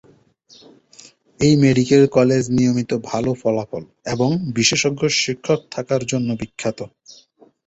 এই medical college নিয়মিত ভাল ফলাফল এবং বিশেষজ্ঞ শিক্ষক থাকার জন্য বিখ্যাত।